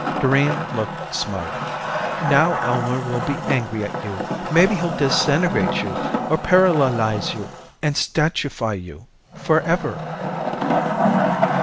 Doreen looked smug. "Now Elmer will be angry at you. Maybe he'll disintegrate you. Or paralalize you and statuefy you. Forever."